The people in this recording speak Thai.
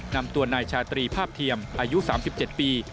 นำตัวนายชาตรีภาพเทียมอายุ๓๗ปี